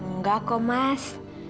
nggak kok mas